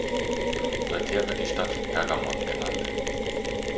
Seither wird die Stadt Pergamon genannt.